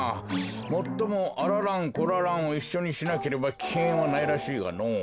もっともあら蘭こら蘭をいっしょにしなければきけんはないらしいがのぉ。